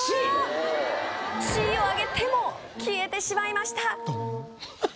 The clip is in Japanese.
Ｃを上げても消えてしまいましたははは